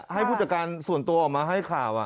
ให้ผู้จัดการส่วนตัวออกมาให้ข่าว